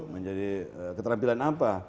menjadi keterampilan apa